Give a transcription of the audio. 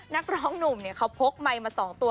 นักร้องหนุ่มเขาพกไมค์มา๒ตัว